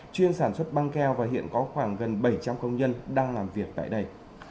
chuyên sản xuất băng keo và hiện có khoảng gần bảy trăm linh công nhân đang làm việc tại đây